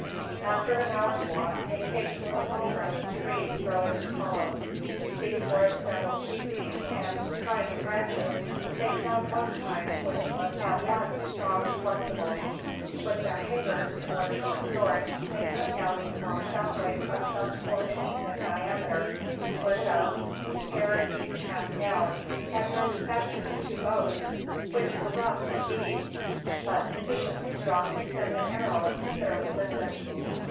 After an hour's walk, they came to a small grove of trees growing in a hollow. These were of several species and, trying the branches, they found one kind which was at once strong and flexible. With their hangers, or short swords, they cut down a small sapling of some four inches in diameter, split it up, pared each half down, and manufactured two bows; which were rough, indeed, but sufficiently strong to send an arrow a considerable distance.